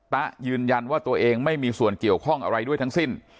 ตะยืนยันว่าตัวเองไม่มีส่วนเกี่ยวข้องอะไรด้วยทั้งสิ้น